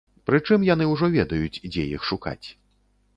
Прычым яны ўжо ведаюць, дзе іх шукаць.